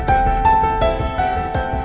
tidak bisa kehanyaan